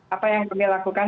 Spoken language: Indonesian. apa yang boleh dilakukan